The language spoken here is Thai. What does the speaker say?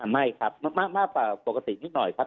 ไม่ครับมากกว่าปกตินิดหน่อยครับ